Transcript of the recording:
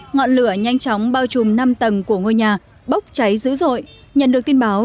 ngọn lửa nhanh chóng bao trùm năm tầng của ngôi nhà bốc cháy dữ dội nhận được tin báo